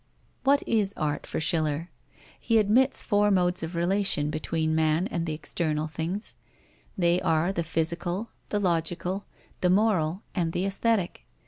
What is art for Schiller? He admits four modes of relation between man and external things. They are the physical, the logical, the moral, and the aesthetic.